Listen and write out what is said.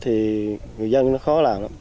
thì người dân nó khó làm